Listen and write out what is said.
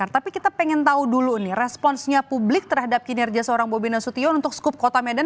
tapi kita pengen tahu dulu nih responsnya publik terhadap kinerja seorang bobi nasution untuk skup kota medan